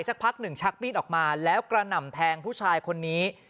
สักพักหนึ่งชักมีดออกมาแล้วกระหน่ำแทงผู้ชายคนนี้